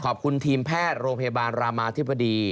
ขอบคุณทีมแพทย์โรงพยาบาลรามาธิบดี